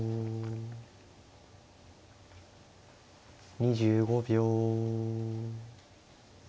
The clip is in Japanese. ２５秒。